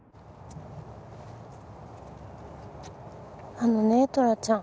あのねトラちゃん。